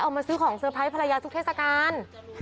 มาซื้อของเตอร์ไพรส์ภรรยาทุกเทศกาล